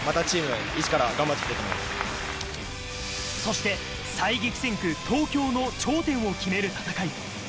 そして最激戦区、東京の頂点を決める戦い。